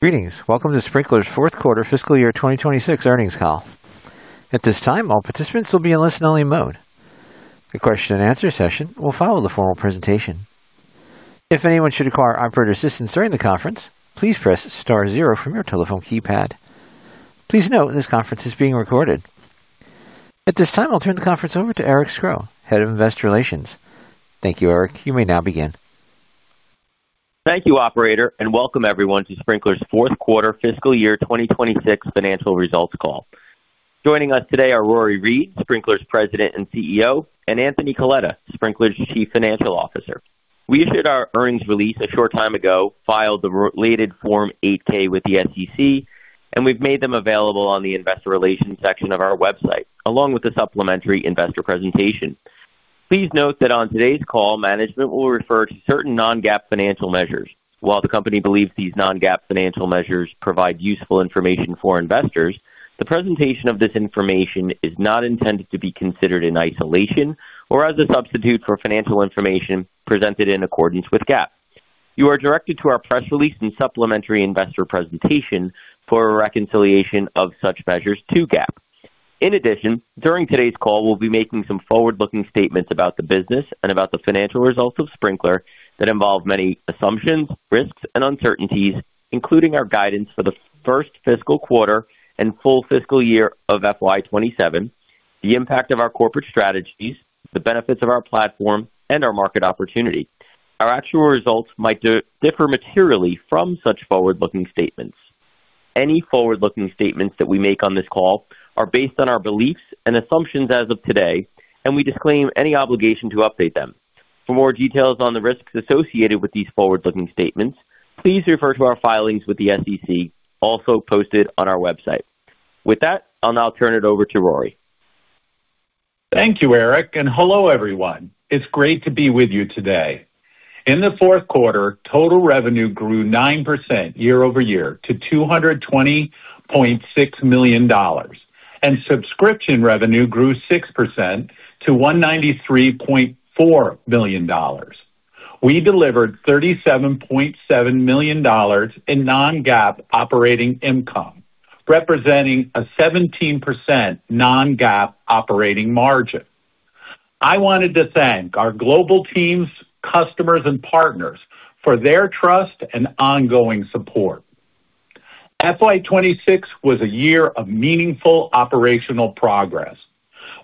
Greetings. Welcome to Sprinklr's Q4 fiscal year 2026 earnings call. At this time, all participants will be in listen-only mode. The question-and-answer session will follow the formal presentation. If anyone should require operator assistance during the conference, please press star zero from your telephone keypad. Please note this conference is being recorded. At this time, I'll turn the conference over to Eric Sgro, Head of Investor Relations. Thank you, Eric. You may now begin. Thank you, operator, and welcome everyone to Sprinklr's Q4 fiscal year 2026 financial results call. Joining us today are Rory Read, Sprinklr's President and CEO, and Anthony Coletta, Sprinklr's Chief Financial Officer. We issued our earnings release a short time ago, filed the related Form 8-K with the SEC, and we've made them available on the investor relations section of our website, along with the supplementary investor presentation. Please note that on today's call, management will refer to certain non-GAAP financial measures. While the company believes these non-GAAP financial measures provide useful information for investors, the presentation of this information is not intended to be considered in isolation or as a substitute for financial information presented in accordance with GAAP. You are directed to our press release and supplementary investor presentation for a reconciliation of such measures to GAAP. In addition, during today's call, we'll be making some forward-looking statements about the business and about the financial results of Sprinklr that involve many assumptions, risks, and uncertainties, including our guidance for the first fiscal quarter and full fiscal year of FY 2027, the impact of our corporate strategies, the benefits of our platform, and our market opportunity. Our actual results might differ materially from such forward-looking statements. Any forward-looking statements that we make on this call are based on our beliefs and assumptions as of today, and we disclaim any obligation to update them. For more details on the risks associated with these forward-looking statements, please refer to our filings with the SEC, also posted on our website. With that, I'll now turn it over to Rory. Thank you, Eric, and hello, everyone. It's great to be with you today. In the Q4, total revenue grew 9% year-over-year to $220.6 million, and subscription revenue grew 6% to $193.4 million. We delivered $37.7 million in non-GAAP operating income, representing a 17% non-GAAP operating margin. I wanted to thank our global teams, customers, and partners for their trust and ongoing support. FY 2026 was a year of meaningful operational progress.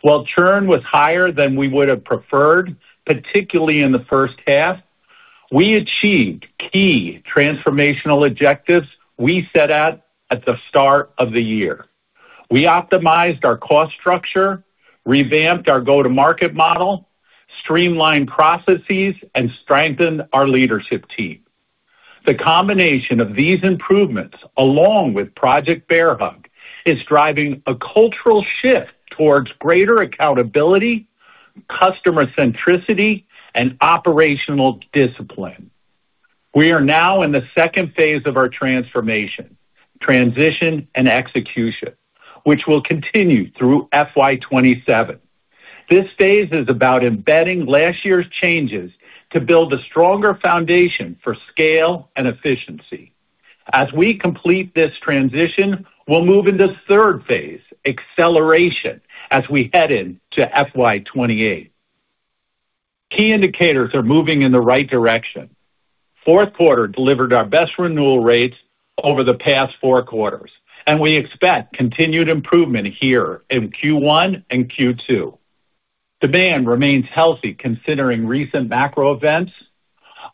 While churn was higher than we would have preferred, particularly in the first half, we achieved key transformational objectives we set out at the start of the year. We optimized our cost structure, revamped our go-to-market model, streamlined processes, and strengthened our leadership team. The combination of these improvements, along with Project Bear Hug, is driving a cultural shift towards greater accountability, customer centricity, and operational discipline. We are now in the second phase of our transformation, transition, and execution, which will continue through FY 2027. This phase is about embedding last year's changes to build a stronger foundation for scale and efficiency. As we complete this transition, we'll move into third phase, acceleration, as we head into FY 2028. Key indicators are moving in the right direction. Q4 delivered our best renewal rates over the past four quarters, and we expect continued improvement here in Q1 and Q2. Demand remains healthy considering recent macro events.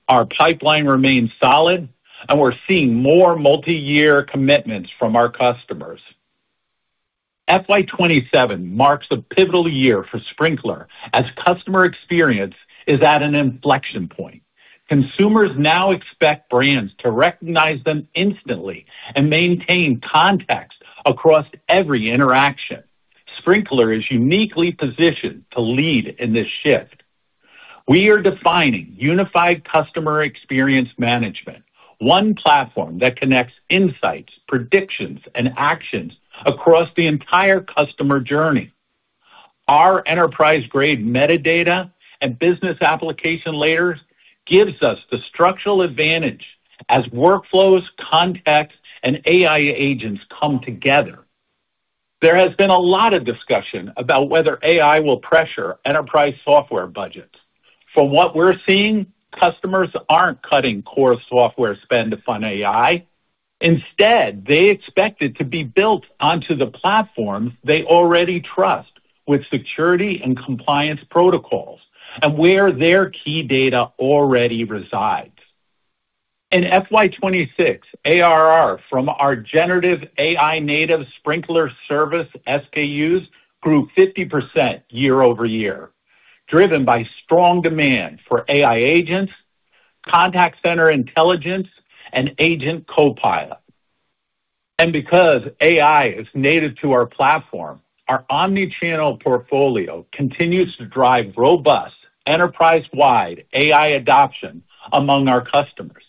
Our pipeline remains solid, and we're seeing more multiyear commitments from our customers. FY 2027 marks a pivotal year for Sprinklr as customer experience is at an inflection point. Consumers now expect brands to recognize them instantly and maintain context across every interaction. Sprinklr is uniquely positioned to lead in this shift. We are defining unified customer experience management, one platform that connects insights, predictions, and actions across the entire customer journey. Our enterprise-grade metadata and business application layers gives us the structural advantage as workflows, contacts, and AI agents come together. There has been a lot of discussion about whether AI will pressure enterprise software budgets. From what we're seeing, customers aren't cutting core software spend to fund AI. Instead, they expect it to be built onto the platforms they already trust with security and compliance protocols and where their key data already resides. In FY 2026, ARR from our generative AI-native Sprinklr Service SKUs grew 50% year-over-year, driven by strong demand for AI agents, Contact Center Intelligence, and agent copilot. Because AI is native to our platform, our omni-channel portfolio continues to drive robust enterprise-wide AI adoption among our customers.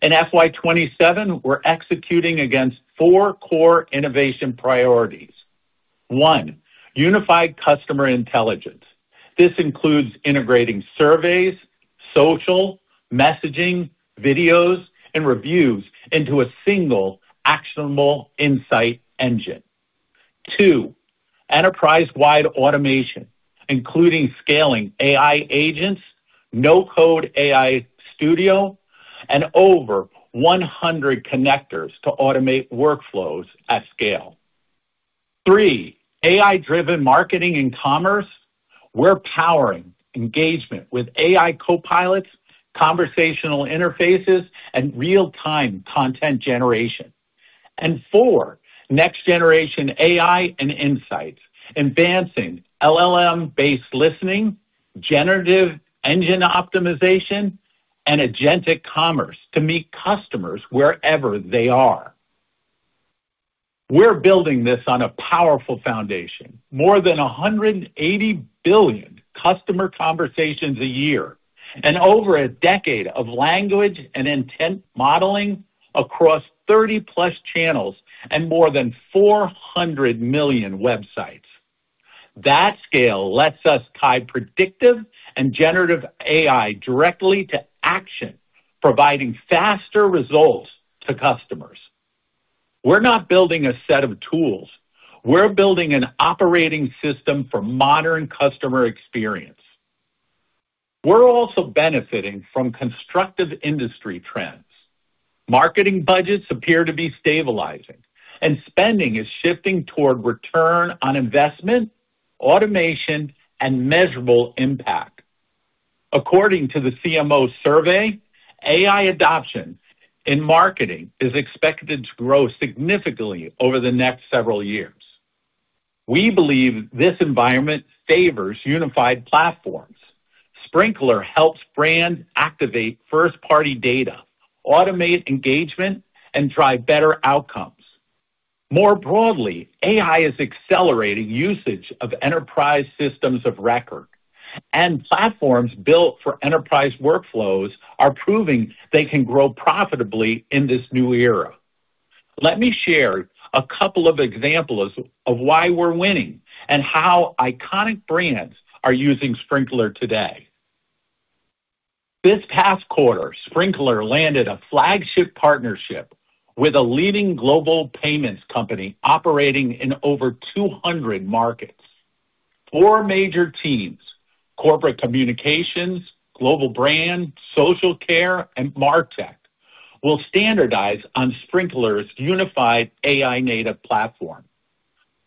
In FY 2027, we're executing against four core innovation priorities. One, unified customer intelligence. This includes integrating surveys, social, messaging, videos, and reviews into a single actionable insight engine. Two, enterprise-wide automation, including scaling AI agents, no-code AI studio, and over 100 connectors to automate workflows at scale. Three, AI-driven marketing and commerce. We're powering engagement with AI copilots, conversational interfaces, and real-time content generation. And four, next generation AI and insights, advancing LLM-based listening, generative engine optimization, and agentic commerce to meet customers wherever they are. We're building this on a powerful foundation, more than 180,000,000,000 Customer conversations a year, and over a decade of language and intent modeling across 30+ channels and more than 400,000,000 websites. That scale lets us tie predictive and generative AI directly to action, providing faster results to customers. We're not building a set of tools. We're building an operating system for modern customer experience. We're also benefiting from constructive industry trends. Marketing budgets appear to be stabilizing, and spending is shifting toward return on investment, automation, and measurable impact. According to the CMO survey, AI adoption in marketing is expected to grow significantly over the next several years. We believe this environment favors unified platforms. Sprinklr helps brands activate first-party data, automate engagement, and drive better outcomes. More broadly, AI is accelerating usage of enterprise systems of record, and platforms built for enterprise workflows are proving they can grow profitably in this new era. Let me share a couple of examples of why we're winning and how iconic brands are using Sprinklr today. This past quarter, Sprinklr landed a flagship partnership with a leading global payments company operating in over 200 markets. Four major teams, corporate communications, global brand, social care, and MarTech, will standardize on Sprinklr's unified AI-native platform.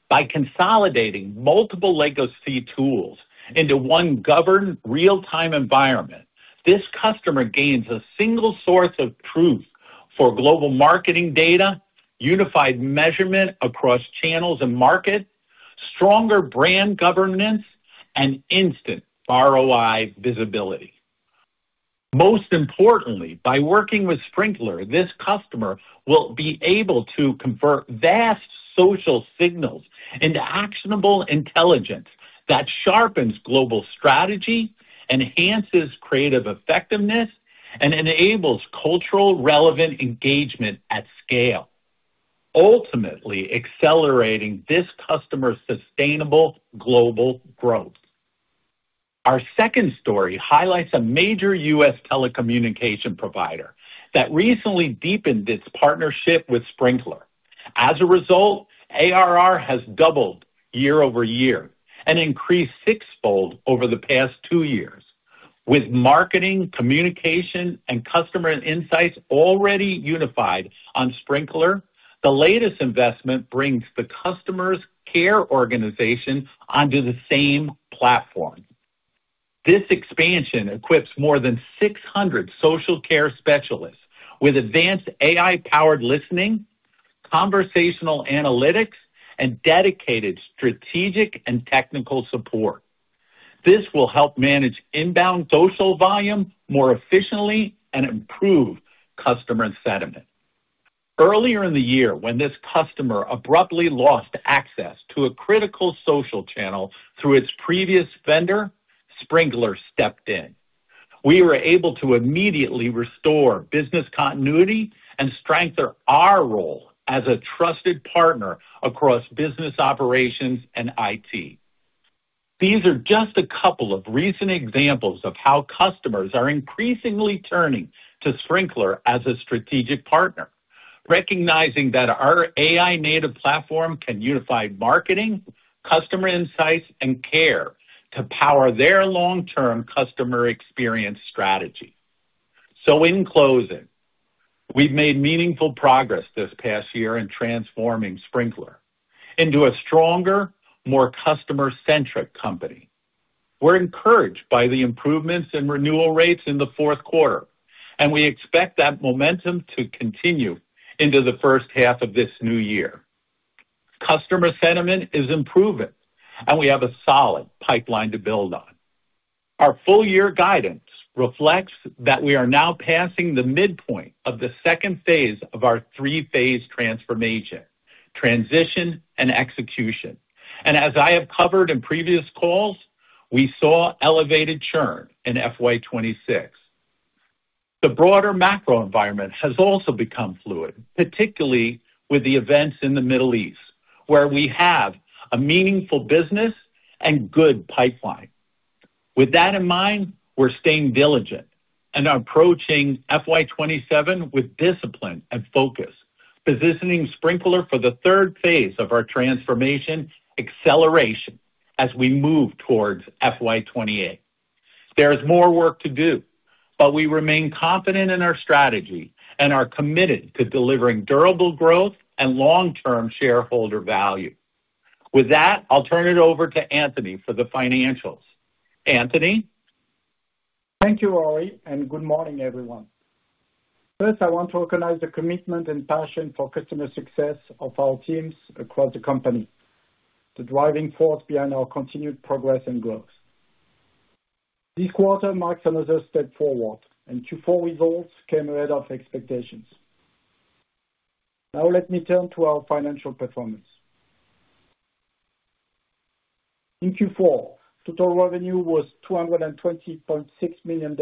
By consolidating multiple legacy tools into one governed real-time environment, this customer gains a single source of truth for global marketing data, unified measurement across channels and markets, stronger brand governance, and instant ROI visibility. Most importantly, by working with Sprinklr, this customer will be able to convert vast social signals into actionable intelligence that sharpens global strategy, enhances creative effectiveness, and enables culturally relevant engagement at scale, ultimately accelerating this customer's sustainable global growth. Our second story highlights a major U.S. telecommunications provider that recently deepened its partnership with Sprinklr. As a result, ARR has doubled year-over-year and increased six-fold over the past two years. With marketing, communication, and customer insights already unified on Sprinklr, the latest investment brings the customer's care organization onto the same platform. This expansion equips more than 600 social care specialists with advanced AI-powered listening, conversational analytics, and dedicated strategic and technical support. This will help manage inbound social volume more efficiently and improve customer sentiment. Earlier in the year, when this customer abruptly lost access to a critical social channel through its previous vendor, Sprinklr stepped in. We were able to immediately restore business continuity and strengthen our role as a trusted partner across business operations and IT. These are just a couple of recent examples of how customers are increasingly turning to Sprinklr as a strategic partner, recognizing that our AI-native platform can unify marketing, customer insights, and care to power their long-term customer experience strategy. In closing, we've made meaningful progress this past year in transforming Sprinklr into a stronger, more customer-centric company. We're encouraged by the improvements in renewal rates in the Q4, and we expect that momentum to continue into the first half of this new year. Customer sentiment is improving and we have a solid pipeline to build on. Our full year guidance reflects that we are now passing the midpoint of the second phase of our three-phase transformation, transition, and execution. As I have covered in previous calls, we saw elevated churn in FY 2026. The broader macro environment has also become fluid, particularly with the events in the Middle East, where we have a meaningful business and good pipeline. With that in mind, we're staying diligent and are approaching FY 2027 with discipline and focus, positioning Sprinklr for the third phase of our transformation acceleration as we move towards FY 2028. There's more work to do, but we remain confident in our strategy and are committed to delivering durable growth and long-term shareholder value. With that, I'll turn it over to Anthony for the financials. Anthony? Thank you, Rory, and good morning, everyone. First, I want to recognize the commitment and passion for customer success of our teams across the company, the driving force behind our continued progress and growth. This quarter marks another step forward, and Q4 results came ahead of expectations. Now let me turn to our financial performance. In Q4, total revenue was $220.6 million,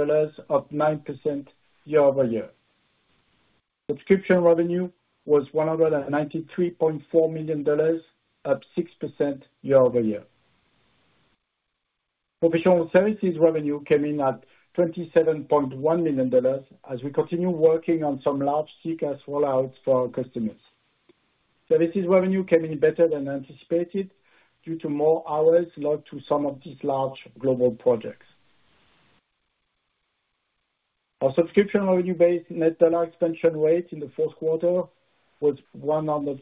up 9% year-over-year. Subscription revenue was $193.4 million, up 6% year-over-year. Professional services revenue came in at $27.1 million as we continue working on some large-scale rollouts for our customers. Services revenue came in better than anticipated due to more hours logged to some of these large global projects. Our subscription revenue base net dollar expansion rate in the Q4 was 103%.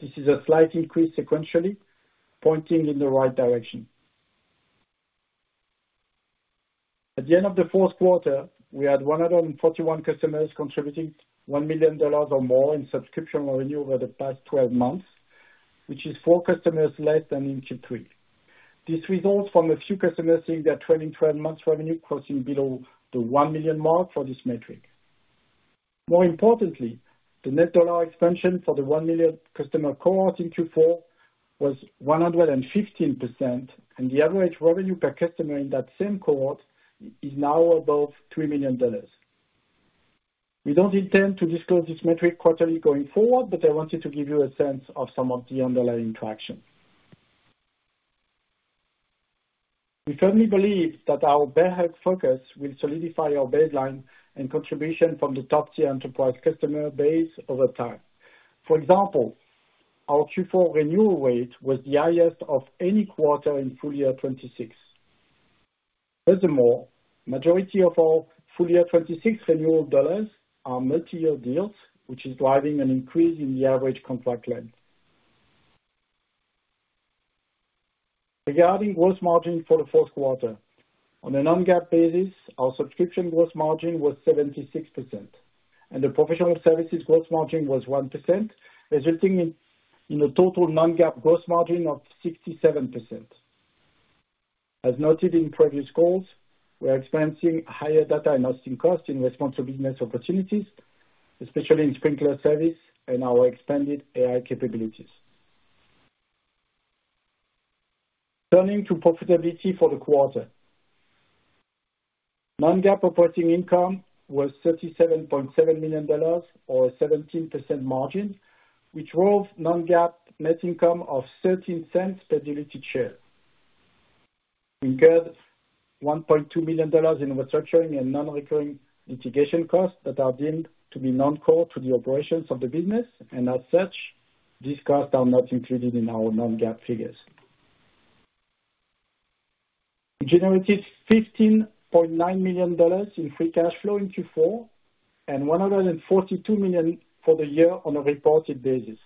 This is a slight increase sequentially, pointing in the right direction. At the end of the Q4, we had 141 customers contributing $1 million or more in subscription revenue over the past 12 months, which is four customers less than in Q3. This results from a few customers seeing their trailing 12 months revenue crossing below the $1 million mark for this metric. More importantly, the net dollar expansion for the $1 million customer cohort in Q4 was 115%, and the average revenue per customer in that same cohort is now above $3 million. We don't intend to disclose this metric quarterly going forward, but I wanted to give you a sense of some of the underlying traction. We firmly believe that our bear hug focus will solidify our baseline and contribution from the top-tier enterprise customer base over time. For example, our Q4 renewal rate was the highest of any quarter in full year 2026. Furthermore, majority of our full year 2026 renewal dollars are multiyear deals, which is driving an increase in the average contract length. Regarding gross margin for the Q4. On a non-GAAP basis, our subscription gross margin was 76% and the professional services gross margin was 1%, resulting in a total non-GAAP gross margin of 67%. As noted in previous calls, we are experiencing higher data and hosting costs in response to business opportunities, especially in Sprinklr Service and our expanded AI capabilities. Turning to profitability for the quarter. non-GAAP operating income was $37.7 million or a 17% margin, which drove non-GAAP net income of $0.13 per diluted share. We incurred $1.2 million in restructuring and non-recurring integration costs that are deemed to be non-core to the operations of the business, and as such, these costs are not included in our non-GAAP figures. We generated $15.9 million in free cash flow in Q4 and $142 million for the year on a reported basis.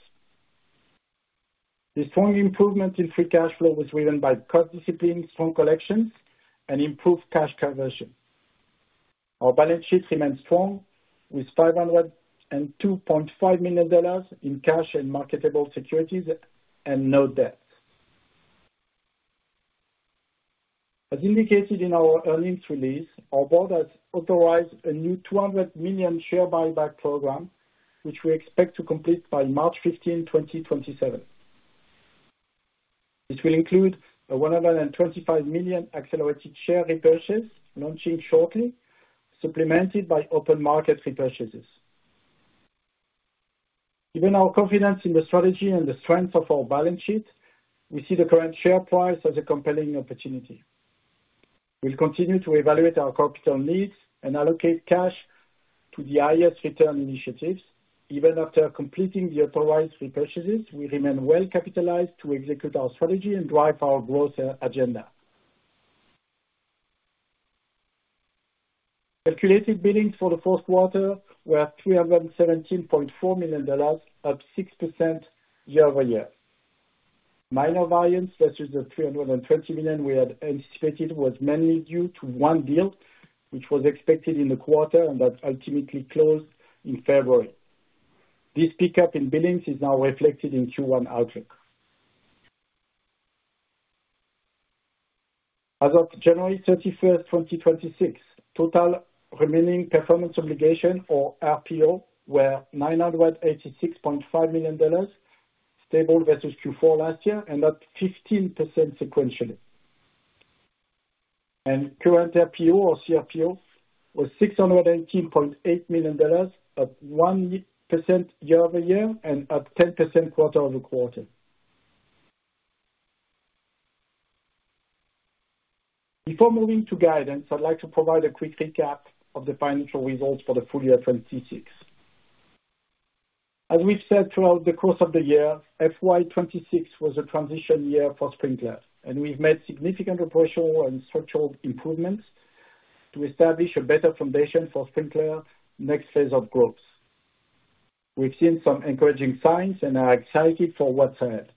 The strong improvement in free cash flow was driven by cost discipline, strong collections and improved cash conversion. Our balance sheet remains strong with $502.5 million in cash and marketable securities and no debt. As indicated in our earnings release, our board has authorized a new $200 million share buyback program, which we expect to complete by March 15 2027. This will include a $125 million accelerated share repurchase launching shortly, supplemented by open market repurchases. Given our confidence in the strategy and the strength of our balance sheet, we see the current share price as a compelling opportunity. We'll continue to evaluate our capital needs and allocate cash to the highest return initiatives. Even after completing the authorized repurchases, we remain well capitalized to execute our strategy and drive our growth agenda. Calculated billings for the Q4 were $317.4 million, up 6% year-over-year. Minor variance versus the $320 million we had anticipated was mainly due to one deal which was expected in the quarter and that ultimately closed in February. This pickup in billings is now reflected in Q1 outlook. As of January 31st 2026, total remaining performance obligation for RPO were $986.5 million. Stable versus Q4 last year and up 15% sequentially. Current PO or CRPO was $618.8 million, up 1% year-over-year and up 10% quarter-over-quarter. Before moving to guidance, I'd like to provide a quick recap of the financial results for the full year 2026. As we've said throughout the course of the year, FY 2026 was a transition year for Sprinklr, and we've made significant operational and structural improvements to establish a better foundation for Sprinklr next phase of growth. We've seen some encouraging signs and are excited for what's ahead.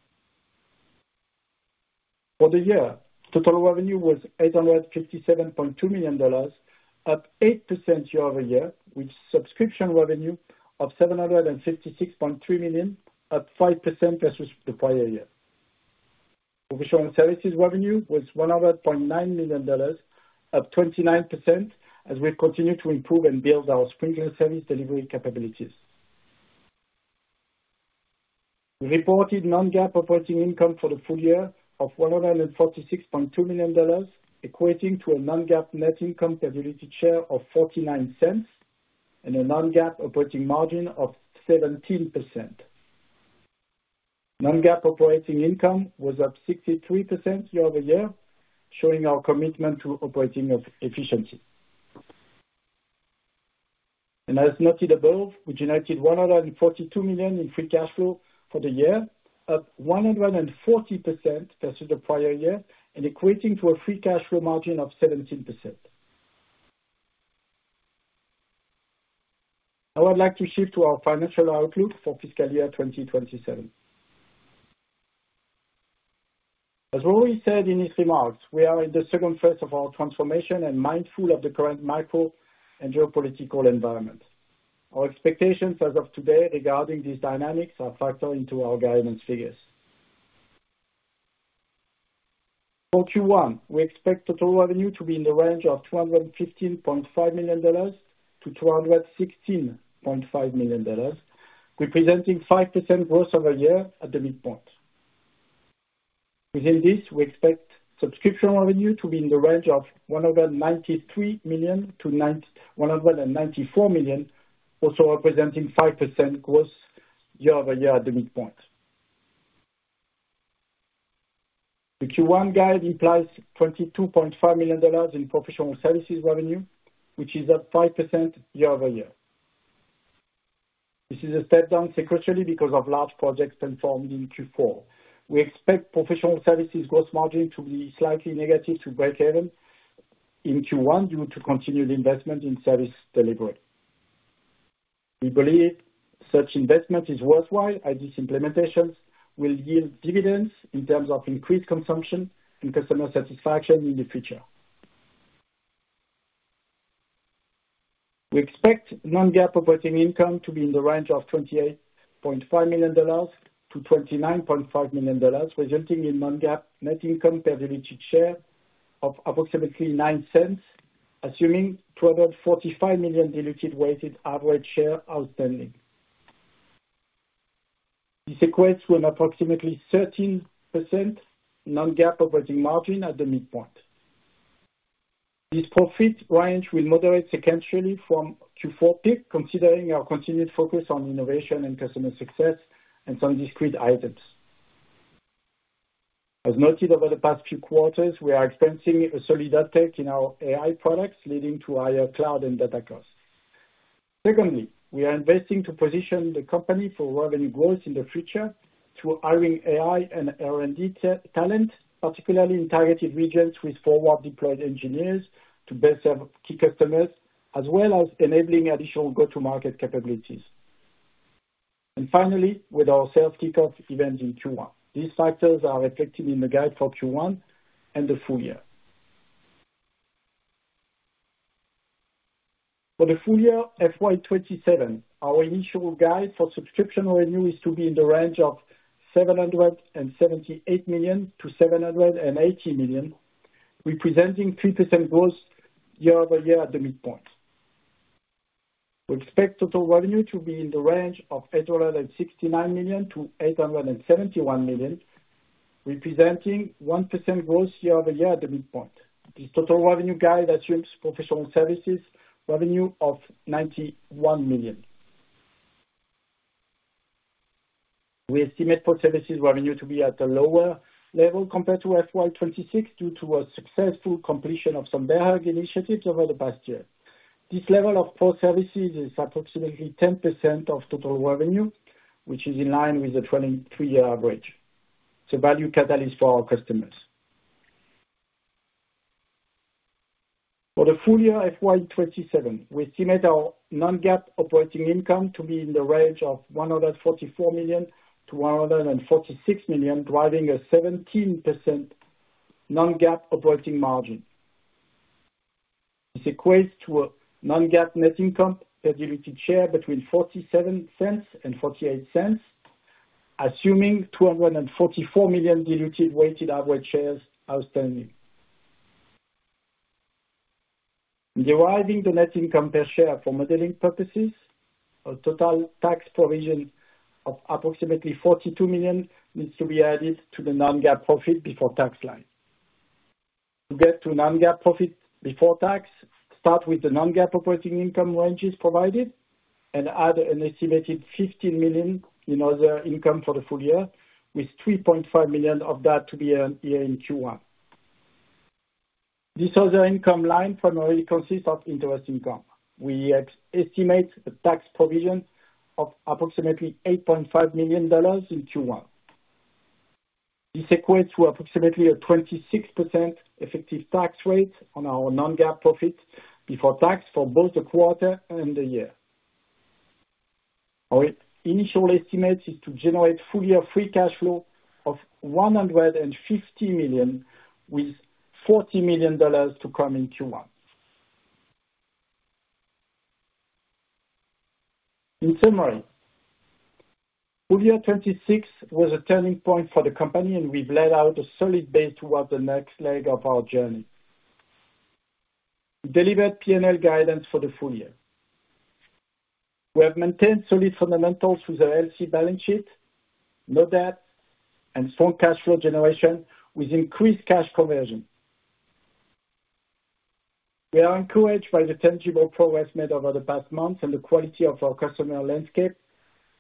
For the year, total revenue was $857.2 million, up 8% year-over-year, with subscription revenue of $756.3 million, up 5% versus the prior year. Professional services revenue was $100.9 million, up 29% as we continue to improve and build our Sprinklr service delivery capabilities. We reported non-GAAP operating income for the full year of $146.2 million, equating to a non-GAAP net income per diluted share of $0.49 and a non-GAAP operating margin of 17%. Non-GAAP operating income was up 63% year-over-year, showing our commitment to operating efficiency. As noted above, we generated $142 million in free cash flow for the year, up 140% versus the prior year and equating to a free cash flow margin of 17%. Now I'd like to shift to our financial outlook for fiscal year 2027. As Rory said in his remarks, we are in the second phase of our transformation and mindful of the current macro and geopolitical environment. Our expectations as of today regarding these dynamics are factored into our guidance figures. For Q1, we expect total revenue to be in the range of $215.5 million-$216.5 million, representing 5% growth year-over-year at the midpoint. Within this, we expect subscription revenue to be in the range of $193 million-$194 million, also representing 5% growth year-over-year at the midpoint. The Q1 guide implies $22.5 million in professional services revenue, which is up 5% year-over-year. This is a step down sequentially because of large projects performed in Q4. We expect professional services gross margin to be slightly negative to breakeven in Q1 due to continued investment in service delivery. We believe such investment is worthwhile as these implementations will yield dividends in terms of increased consumption and customer satisfaction in the future. We expect non-GAAP operating income to be in the range of $28.5 million-$29.5 million, resulting in non-GAAP net income per diluted share of approximately $0.09, assuming 245 million diluted weighted average share outstanding. This equates to approximately 13% non-GAAP operating margin at the midpoint. This profit range will moderate sequentially from Q4 peak, considering our continued focus on innovation and customer success and some discrete items. As noted over the past few quarters, we are expensing Solidatech in our AI products, leading to higher cloud and data costs. Secondly, we are investing to position the company for revenue growth in the future through hiring AI and R&D talent, particularly in targeted regions with forward-deployed engineers to best serve key customers, as well as enabling additional go-to-market capabilities. Finally, with our sales kickoff event in Q1. These factors are reflected in the guide for Q1 and the full year. For the full year FY 2027, our initial guide for subscription revenue is to be in the range of $778 million-$780 million, representing 3% growth year-over-year at the midpoint. We expect total revenue to be in the range of $869 million-$871 million, representing 1% growth year-over-year at the midpoint. This total revenue guide assumes professional services revenue of $91 million. We estimate core services revenue to be at a lower level compared to FY 2026 due to a successful completion of some bear hug initiatives over the past year. This level of core services is approximately 10% of total revenue, which is in line with the 23-year average. It's a value catalyst for our customers. For the full year FY 2027, we estimate our non-GAAP operating income to be in the range of $144 million-$146 million, driving a 17% non-GAAP operating margin. This equates to a non-GAAP net income per diluted share between $0,47 and $0,48, assuming 244,000,000 diluted weighted average shares outstanding. Deriving the net income per share for modeling purposes, a total tax provision of approximately $42 million needs to be added to the non-GAAP profit before tax line. To get to non-GAAP profit before tax, start with the non-GAAP operating income ranges provided and add an estimated $15 million in other income for the full year, with $3.5 million of that to be earned here in Q1. This other income line primarily consists of interest income. We estimate a tax provision of approximately $8.5 million in Q1. This equates to approximately a 26% effective tax rate on our non-GAAP profit before tax for both the quarter and the year. Our initial estimate is to generate full year free cash flow of $150 million with $40 million to come in Q1. In summary, full year 2026 was a turning point for the company, and we've laid out a solid base towards the next leg of our journey. We delivered P&L guidance for the full year. We have maintained solid fundamentals through the healthy balance sheet, no debt and strong cash flow generation with increased cash conversion. We are encouraged by the tangible progress made over the past months and the quality of our customer landscape,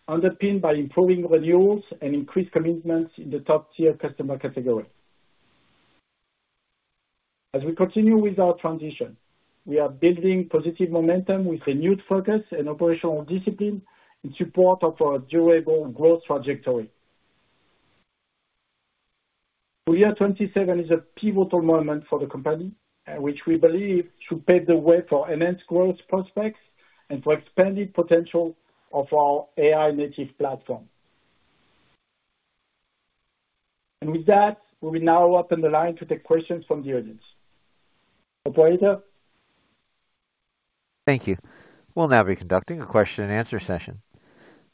underpinned by improving renewals and increased commitments in the top-tier customer category. As we continue with our transition, we are building positive momentum with renewed focus and operational discipline in support of our durable growth trajectory. Full year 2027 is a pivotal moment for the company, which we believe should pave the way for enhanced growth prospects and for expanded potential of our AI-native platform. With that, we will now open the line to take questions from the audience. Operator? Thank you. We'll now be conducting a question and answer session.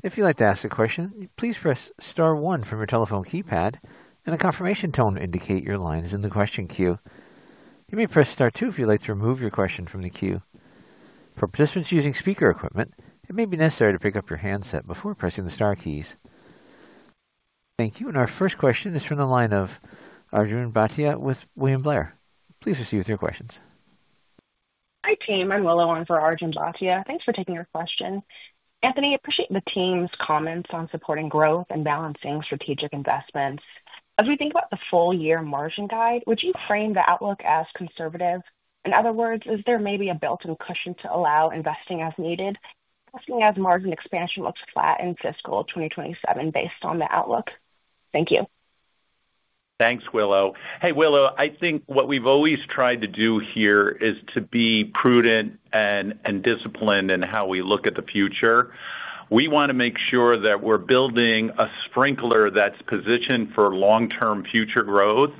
If you'd like to ask a question, please press star one from your telephone keypad and a confirmation tone will indicate your line is in the question queue. You may press star two if you'd like to remove your question from the queue. For participants using speaker equipment, it may be necessary to pick up your handset before pressing the star keys. Thank you. Our first question is from the line of Arjun Bhatia with William Blair. Please proceed with your questions. Hi, team. I'm Willow on for Arjun Bhatia. Thanks for taking our question. Anthony, appreciate the team's comments on supporting growth and balancing strategic investments. As we think about the full year margin guide, would you frame the outlook as conservative? In other words, is there maybe a built-in cushion to allow investing as needed, especially as margin expansion looks flat in fiscal 2027 based on the outlook? Thank you. Thanks, Willow. Hey, Willow. I think what we've always tried to do here is to be prudent and disciplined in how we look at the future. We want to make sure that we're building a Sprinklr that's positioned for long-term future growth.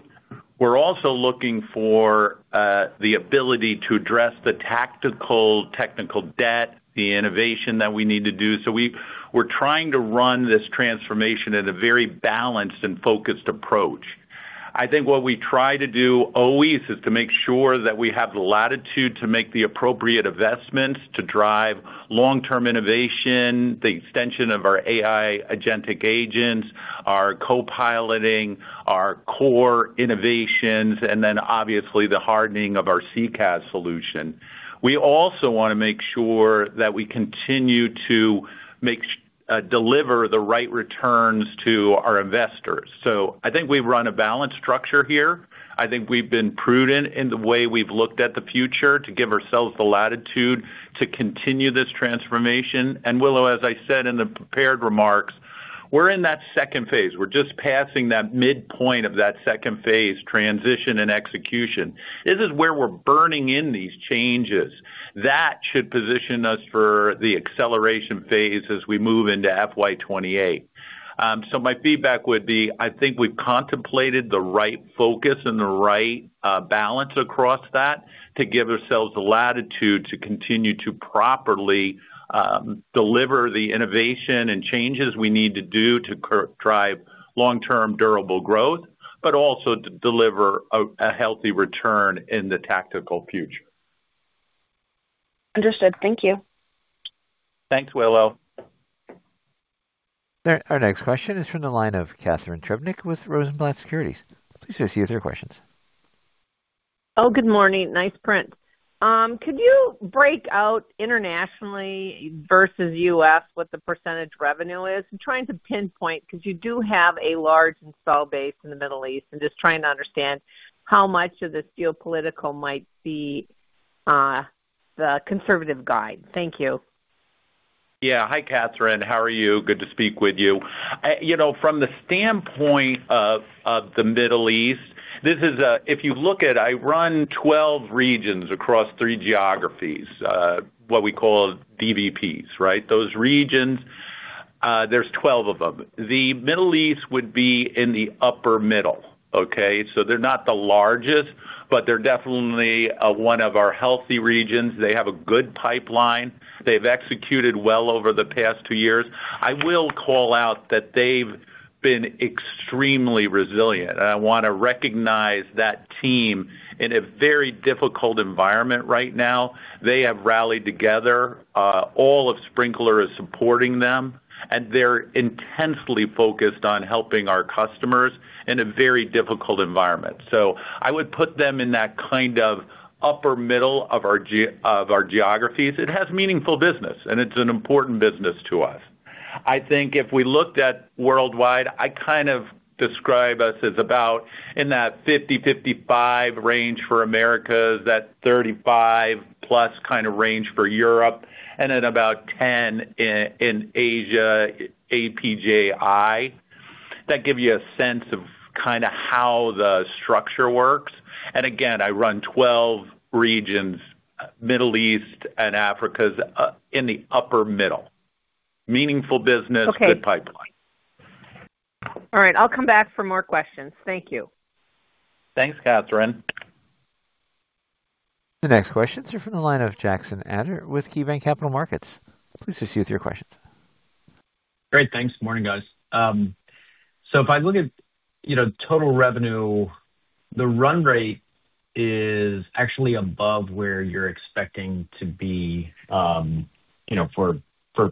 We're also looking for the ability to address the tactical technical debt, the innovation that we need to do. We're trying to run this transformation at a very balanced and focused approach. I think what we try to do always is to make sure that we have the latitude to make the appropriate investments to drive long-term innovation, the extension of our AI agentic agents, our co-piloting, our core innovations, and then obviously the hardening of our CCaaS solution. We also wanna make sure that we continue to deliver the right returns to our investors. I think we've run a balanced structure here. I think we've been prudent in the way we've looked at the future to give ourselves the latitude to continue this transformation. Willow, as I said in the prepared remarks, we're in that second phase. We're just passing that midpoint of that second phase, transition and execution. This is where we're burning in these changes. That should position us for the acceleration phase as we move into FY 2028. My feedback would be, I think we've contemplated the right focus and the right balance across that to give ourselves the latitude to continue to properly deliver the innovation and changes we need to do to drive long-term durable growth, but also to deliver a healthy return in the tactical future. Understood. Thank you. Thanks, Willow. Our next question is from the line of Catharine Trebnick with Rosenblatt Securities. Please proceed with your questions. Oh, good morning. Nice print. Could you break out internationally versus U.S. what the percentage revenue is? I'm trying to pinpoint because you do have a large install base in the Middle East. I'm just trying to understand how much of this geopolitical might be the conservative guide. Thank you. Hi, Catharine. How are you? Good to speak with you. You know, from the standpoint of the Middle East, this is if you look at I run 12 regions across three geographies, what we call BVPs, right? Those regions, there's 12 of them. The Middle East would be in the upper middle. Okay? They're not the largest, but they're definitely one of our healthy regions. They have a good pipeline. They've executed well over the past two years. I will call out that they've been extremely resilient, and I want to recognize that team in a very difficult environment right now. They have rallied together. All of Sprinklr is supporting them, and they're intensely focused on helping our customers in a very difficult environment. I would put them in that kind of upper middle of our geographies. It has meaningful business, and it's an important business to us. I think if we looked at worldwide, I kind of describe us as about in that 50-55 range for Americas, that 35+ kind of range for Europe, and at about 10 in Asia, APJ. That gives you a sense of kind of how the structure works. Again, I run 12 regions, Middle East and Africa's in the upper middle. Meaningful business good pipeline. Okay. All right. I'll come back for more questions. Thank you. Thanks, Catharine. The next questions are from the line of Jackson Ader with KeyBanc Capital Markets. Please proceed with your questions. Great. Thanks. Morning, guys. So if I look at, you know, total revenue, the run rate is actually above where you're expecting to be, you know, for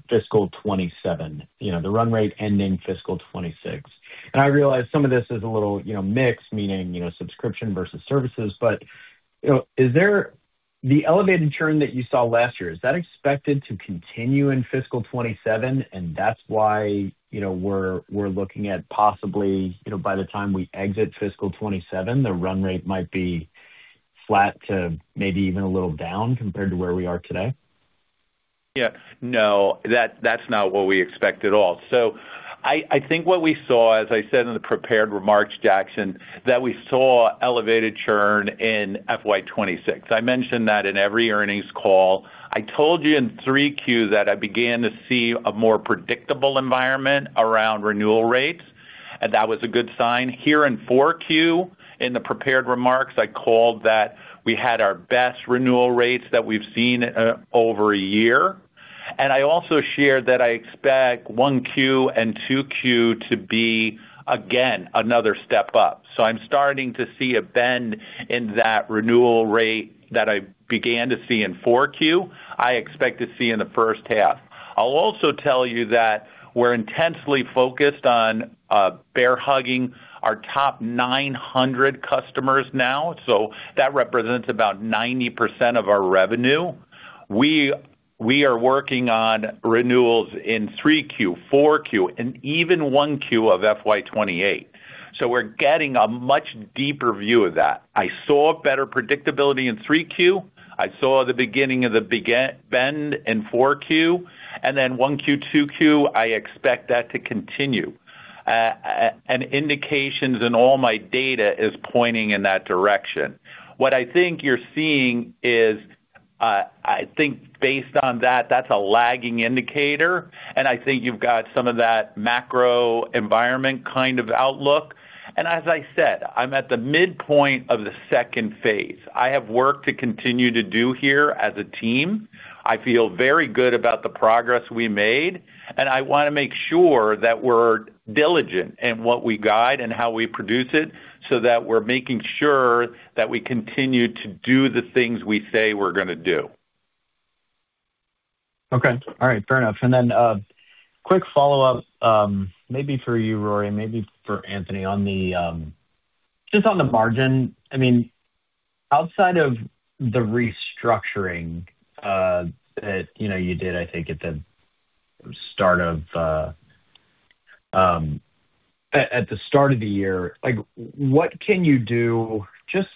fiscal 2027. You know, the run rate ending fiscal 2026. I realize some of this is a little, you know, mixed, meaning, you know, subscription versus services. You know, is there-- The elevated churn that you saw last year, is that expected to continue in fiscal 2027, and that's why, you know, we're looking at possibly, you know, by the time we exit fiscal 2027, the run rate might be flat to maybe even a little down compared to where we are today? Yeah. No, that's not what we expect at all. I think what we saw, as I said in the prepared remarks, Jackson, that we saw elevated churn in FY 2026. I mention that in every earnings call. I told you in 3Q that I began to see a more predictable environment around renewal rates, and that was a good sign. Here in 4Q, in the prepared remarks, I called that we had our best renewal rates that we've seen over a year. I also shared that I expect 1Q and 2Q to be, again, another step up. I'm starting to see a bend in that renewal rate that I began to see in 4Q, I expect to see in the first half. I'll also tell you that we're intensely focused on bear hugging our top 900 customers now. So that represents about 90% of our revenue. We are working on renewals in 3Q, 4Q, and even 1Q of FY 2028. So we're getting a much deeper view of that. I saw better predictability in 3Q. I saw the beginning of the bend in 4Q. Then 1Q, 2Q, I expect that to continue. Indications in all my data is pointing in that direction. What I think you're seeing is I think based on that's a lagging indicator, and I think you've got some of that macro environment kind of outlook. As I said, I'm at the midpoint of the second phase. I have work to continue to do here as a team. I feel very good about the progress we made, and I wanna make sure that we're diligent in what we guide and how we produce it, so that we're making sure that we continue to do the things we say we're gonna do. Okay. All right, fair enough. Quick follow-up, maybe for you, Rory, maybe for Anthony on the margin. I mean, outside of the restructuring, that, you know, you did, I think, at the start of the year, like, what can you do just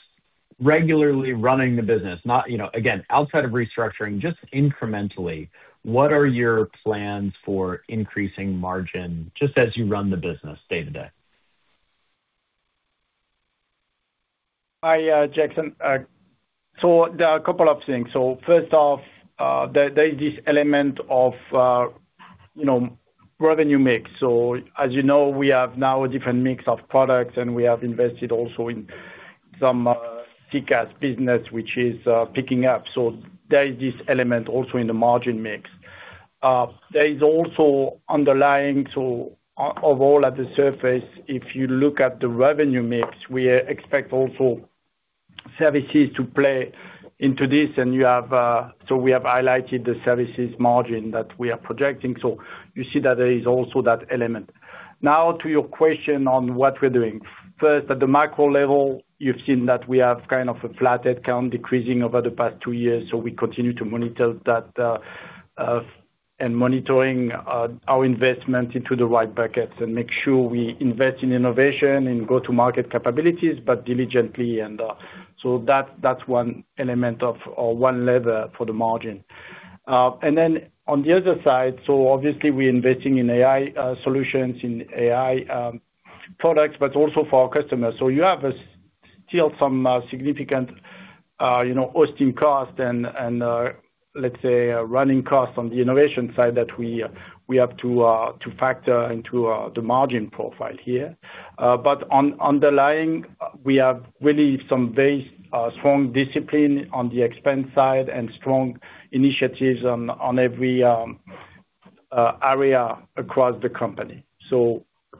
regularly running the business? Not, you know, again, outside of restructuring, just incrementally, what are your plans for increasing margin just as you run the business day to day? Hi, Jackson. There are a couple of things. First off, there's this element of, you know, revenue mix. As you know, we have now a different mix of products, and we have invested also in some CCaaS business, which is picking up. There is this element also in the margin mix. There is also underlying, overall at the surface, if you look at the revenue mix, we expect also services to play into this. You have, so we have highlighted the services margin that we are projecting. You see that there is also that element. Now to your question on what we're doing. First, at the micro level, you've seen that we have kind of a flat head count decreasing over the past two years. We continue to monitor that and our investment into the right buckets and make sure we invest in innovation and go-to-market capabilities, but diligently and so that that's one element of or one lever for the margin. On the other side, obviously we're investing in AI solutions, in AI products, but also for our customers. You have still some significant you know hosting costs and let's say running costs on the innovation side that we have to factor into the margin profile here. But underlying we have really some very strong discipline on the expense side and strong initiatives on every area across the company.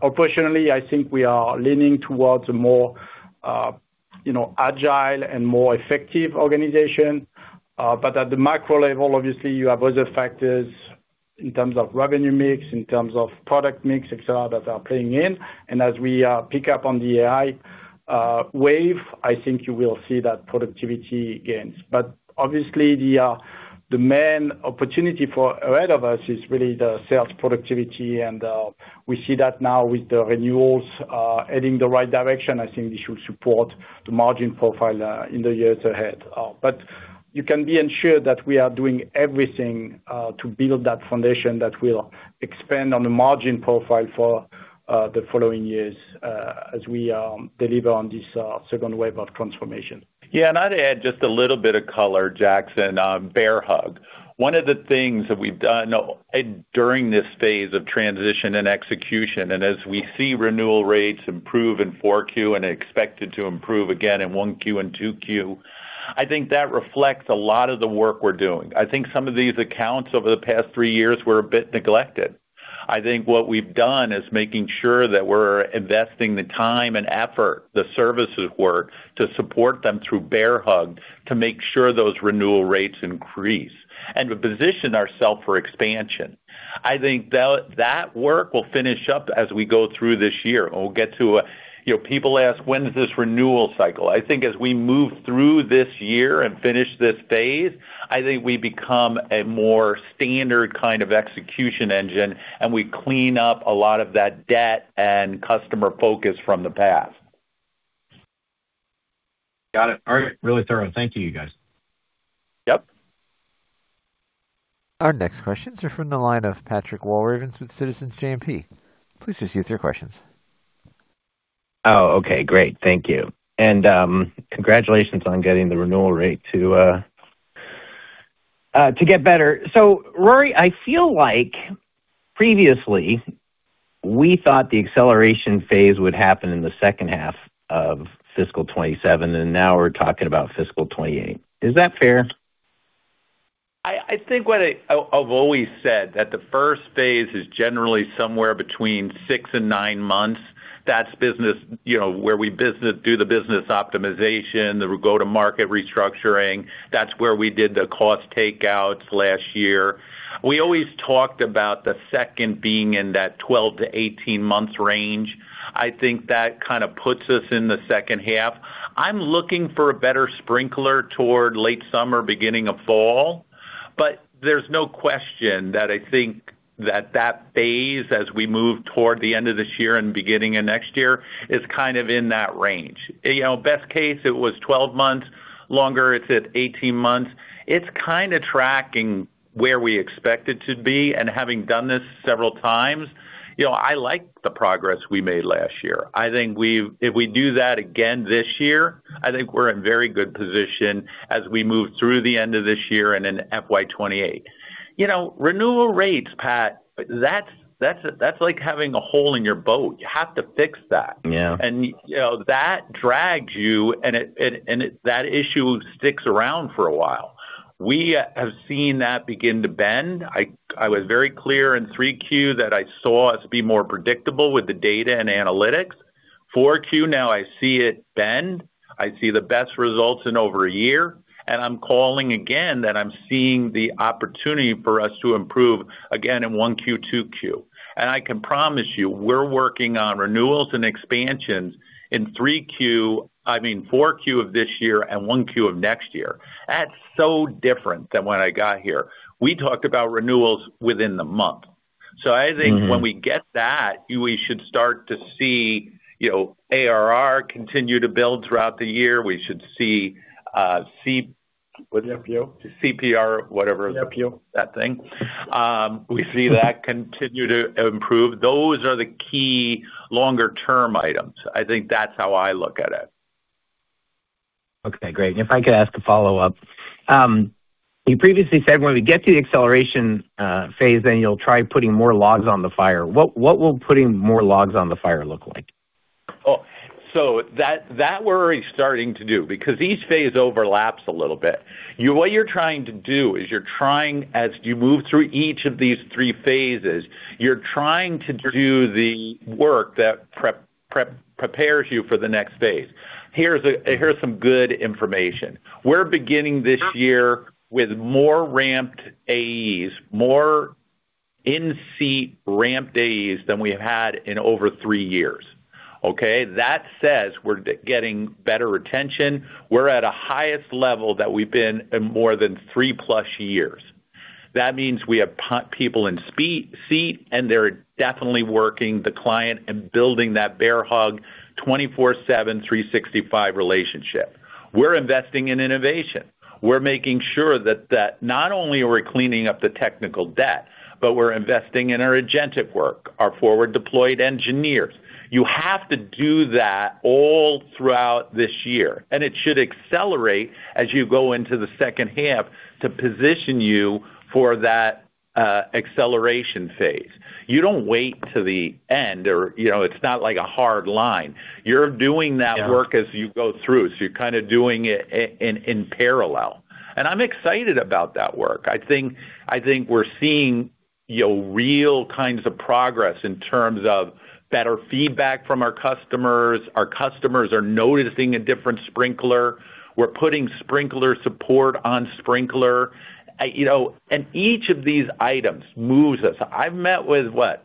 Operationally, I think we are leaning towards a more, you know, agile and more effective organization. At the micro level, obviously, you have other factors in terms of revenue mix, in terms of product mix, et cetera, that are playing in. As we pick up on the AI wave, I think you will see that productivity gains. Obviously the main opportunity ahead of us is really the sales productivity, and we see that now with the renewals heading the right direction. I think this should support the margin profile in the years ahead. You can be ensured that we are doing everything to build that foundation that will expand on the margin profile for the following years as we deliver on this second wave of transformation. Yeah. I'd add just a little bit of color, Jackson, Bear Hug. One of the things that we've done during this phase of transition and execution, and as we see renewal rates improve in Q4 and expected to improve again in Q1 and Q2, I think that reflects a lot of the work we're doing. I think some of these accounts over the past three years were a bit neglected. I think what we've done is making sure that we're investing the time and effort, the services work to support them through Bear Hugs to make sure those renewal rates increase, and to position ourselves for expansion. I think that work will finish up as we go through this year, and we'll get to a... You know, people ask, "When is this renewal cycle?" I think as we move through this year and finish this phase, I think we become a more standard kind of execution engine, and we clean up a lot of that debt and customer focus from the past. Got it. All right. Really thorough. Thank you guys. Yep. Our next questions are from the line of Patrick Walravens with Citizens JMP. Please proceed with your questions. Oh, okay. Great. Thank you. Congratulations on getting the renewal rate to get better. Rory, I feel like previously we thought the acceleration phase would happen in the second half of fiscal 2027, and now we're talking about fiscal 2028. Is that fair? I think I've always said that the first phase is generally somewhere between six and nine months. That's business, you know, where we do the business optimization, the go-to-market restructuring. That's where we did the cost takeouts last year. We always talked about the second being in that 12-18 months range. I think that kind of puts us in the second half. I'm looking for a better Sprinklr toward late summer, beginning of fall, but there's no question that I think that that phase, as we move toward the end of this year and beginning of next year, is kind of in that range. You know, best case it was 12 months. Longer it's at 18 months. It's kinda tracking where we expect it to be. Having done this several times, you know, I like the progress we made last year. I think if we do that again this year, I think we're in very good position as we move through the end of this year and in FY 2028. You know, renewal rates, Pat, that's like having a hole in your boat. You have to fix that. Yeah. You know, that drags you, and it that issue sticks around for a while. We have seen that begin to bend. I was very clear in 3Q that I saw us be more predictable with the data and analytics. 4Q now I see it bend. I see the best results in over a year, and I'm calling again that I'm seeing the opportunity for us to improve again in 1Q, 2Q. I can promise you, we're working on renewals and expansions in 3Q. I mean, 4Q of this year and 1Q of next year. That's so different than when I got here. We talked about renewals within the month. I think Mm-hmm. When we get that, we should start to see, you know, ARR continue to build throughout the year. We should see C- cRPO. cRPO, whatever. cRPO. That thing. We see that continue to improve. Those are the key longer term items. I think that's how I look at it. Okay, great. If I could ask a follow-up. You previously said when we get to the acceleration phase, then you'll try putting more logs on the fire. What will putting more logs on the fire look like? That we're already starting to do, because each phase overlaps a little bit. What you're trying to do is as you move through each of these three phases, you're trying to do the work that prepares you for the next phase. Here's some good information. We're beginning this year with more ramped AEs, more in-seat ramp days than we've had in over three years, okay? That says we're getting better retention. We're at the highest level that we've been in more than 3+ years. That means we have people in seat, and they're definitely working the client and building that bear hug 24/7, 365 relationship. We're investing in innovation. We're making sure that not only are we cleaning up the technical debt, but we're investing in our agentic work, our forward deployed engineers. You have to do that all throughout this year, and it should accelerate as you go into the second half to position you for that, acceleration phase. You don't wait till the end or, you know, it's not like a hard line. You're doing that. Yeah. Work as you go through, so you're kinda doing it in parallel. I'm excited about that work. I think we're seeing, you know, real kinds of progress in terms of better feedback from our customers. Our customers are noticing a different Sprinklr. We're putting Sprinklr support on Sprinklr. You know, and each of these items moves us. I've met with what?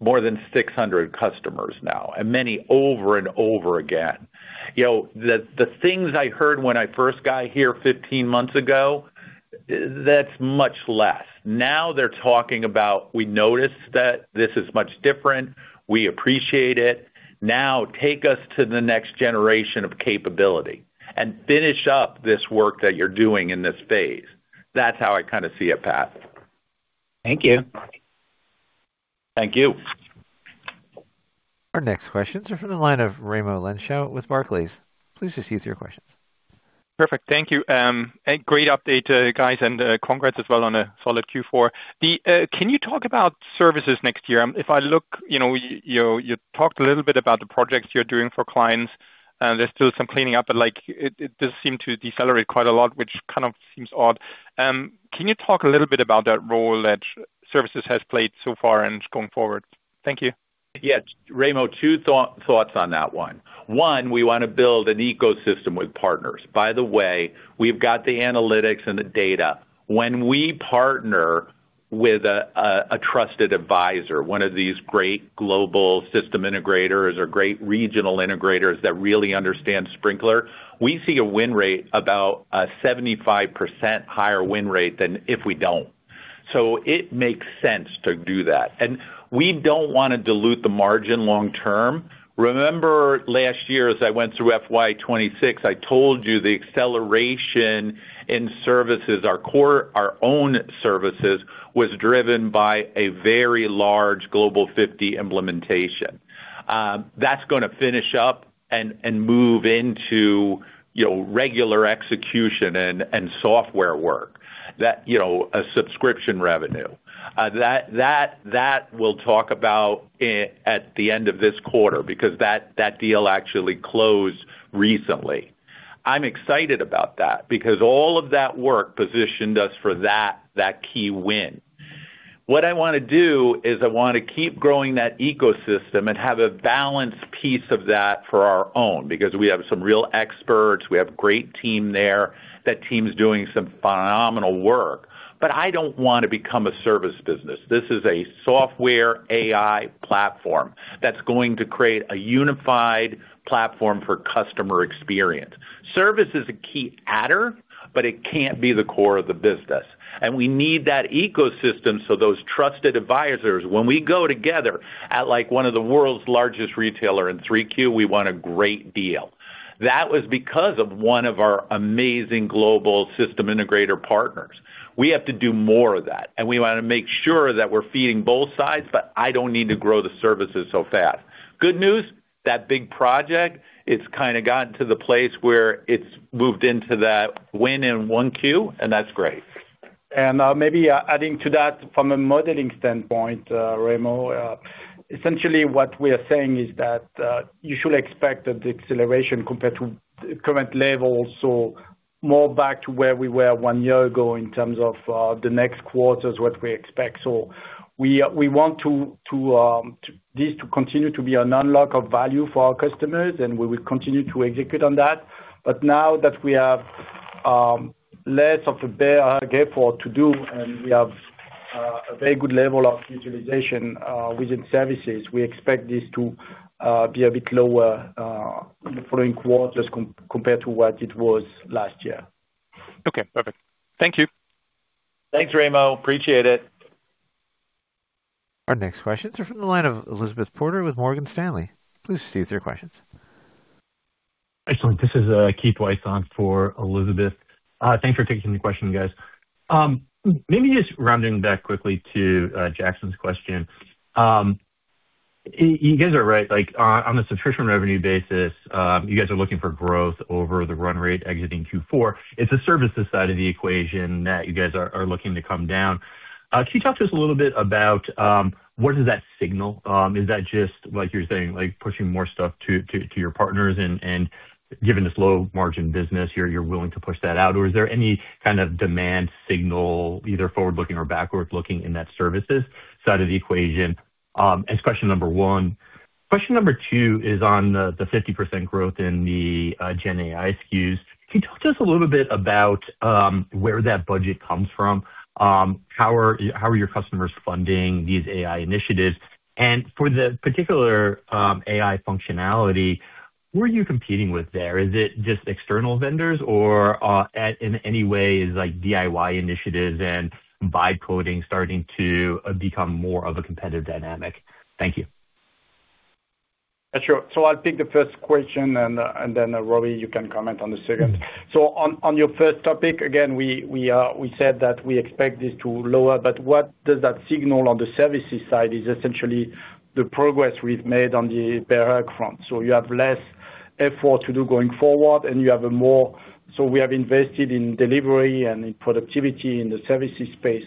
More than 600 customers now, and many over and over again. You know, the things I heard when I first got here 15 months ago, that's much less. Now they're talking about, "We noticed that this is much different. We appreciate it. Now take us to the next generation of capability and finish up this work that you're doing in this phase." That's how I kinda see a path. Thank you. Thank you. Our next questions are from the line of Raimo Lenschow with Barclays. Please just use your questions. Perfect. Thank you. A great update, guys, and congrats as well on a solid Q4. Then, can you talk about services next year? If I look, you know, you talked a little bit about the projects you're doing for clients, and there's still some cleaning up, but, like, it does seem to decelerate quite a lot, which kind of seems odd. Can you talk a little bit about that role that services has played so far and going forward? Thank you. Yes. Raimo, two thoughts on that one. One, we wanna build an ecosystem with partners. By the way, we've got the analytics and the data. When we partner with a trusted advisor, one of these great global system integrators or great regional integrators that really understand Sprinklr, we see a win rate about a 75% higher win rate than if we don't. It makes sense to do that. We don't wanna dilute the margin long term. Remember last year, as I went through FY 2026, I told you the acceleration in services, our core, our own services, was driven by a very large Global 50 implementation. That's gonna finish up and move into, you know, regular execution and software work that, you know, a subscription revenue. That we'll talk about at the end of this quarter because that deal actually closed recently. I'm excited about that because all of that work positioned us for that key win. What I wanna do is I wanna keep growing that ecosystem and have a balanced piece of that for our own, because we have some real experts. We have great team there. That team's doing some phenomenal work. But I don't want to become a service business. This is a software AI platform that's going to create a unified platform for customer experience. Service is a key adder, but it can't be the core of the business. We need that ecosystem so those trusted advisors, when we go together at, like, one of the world's largest retailer in 3Q, we won a great deal. That was because of one of our amazing global system integrator partners. We have to do more of that, and we wanna make sure that we're feeding both sides, but I don't need to grow the services so fast. Good news, that big project, it's kinda gotten to the place where it's moved into that win in 1Q, and that's great. Maybe adding to that from a modeling standpoint, Raimo, essentially what we are saying is that you should expect that the acceleration compared to current levels, so more back to where we were one year ago in terms of the next quarters, what we expect. We want this to continue to be an unlock of value for our customers, and we will continue to execute on that. Now that we have less of a bear hug to do, and we have a very good level of utilization within services, we expect this to be a bit lower in the following quarters compared to what it was last year. Okay, perfect. Thank you. Thanks, Raimo. Appreciate it. Our next questions are from the line of Elizabeth Porter with Morgan Stanley. Please proceed with your questions. Excellent. This is Keith Weiss for Elizabeth. Thanks for taking the question, guys. Maybe just rounding back quickly to Jackson's question. You guys are right. Like, on the subscription revenue basis, you guys are looking for growth over the run rate exiting Q4. It's the services side of the equation that you guys are looking to come down. Can you talk to us a little bit about what does that signal? Is that just like you're saying, like pushing more stuff to your partners and given this low margin business, you're willing to push that out? Or is there any kind of demand signal either forward-looking or backwards-looking in that services side of the equation? That's question number one. Question number two is on the 50% growth in the GenAI SKUs. Can you talk to us a little bit about where that budget comes from? How are your customers funding these AI initiatives? For the particular AI functionality, who are you competing with there? Is it just external vendors or are in any way like DIY initiatives and by coding starting to become more of a competitive dynamic? Thank you. Sure. I'll take the first question and then, Rory, you can comment on the second. On your first topic, again, we said that we expect this to lower, but what does that signal on the services side is essentially the progress we've made on the Bear Hug front. You have less effort to do going forward. We have invested in delivery and in productivity in the services space.